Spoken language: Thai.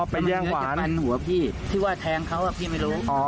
อ๋อไปแย่งขวานถึงเราจะปันหัวพี่